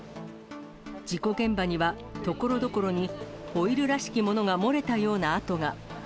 事故現場にはところどころに、オイルらしきものが漏れたような跡が。